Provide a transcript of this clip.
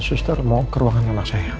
suster mau ke ruangan anak saya